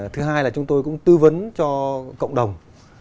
thứ hai là chúng tôi cũng tư vấn cho cộng đồng